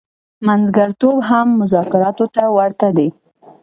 منځګړتوب هم مذاکراتو ته ورته دی.